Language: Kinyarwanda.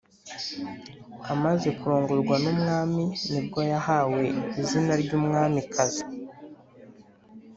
Amaze kurongorwa n’umwami nibwo yahawe izina ry’Umwamikazi